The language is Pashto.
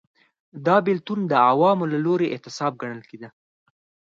دا بېلتون د عوامو له لوري اعتصاب ګڼل کېده.